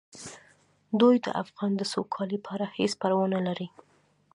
دوی د افغان د سوکالۍ په اړه هیڅ پروا نه لري.